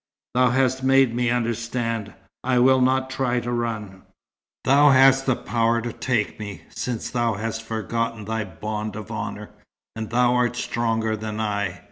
"Thou hast made me understand. I will not try to run. Thou hast the power to take me, since thou hast forgotten thy bond of honour, and thou art stronger than I.